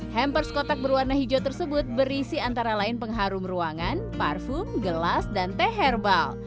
hampers kotak berwarna hijau tersebut berisi antara lain pengharum ruangan parfum gelas dan teh herbal